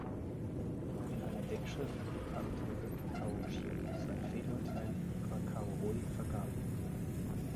In einer Denkschrift bekannte Cao Xiu sein Fehlurteil, aber Cao Rui vergab ihm.